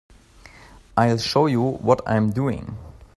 I'll show you what I'm doing.